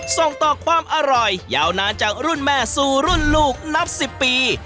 ส่งต่อความอร่อยยาวนานจากรุ่นแม่สู่รุ่นลูกนับ๑๐ปี